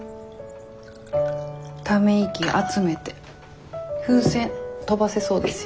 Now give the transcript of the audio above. ため息集めて風船飛ばせそうですよ。